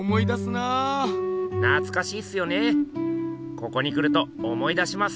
ここに来ると思い出します。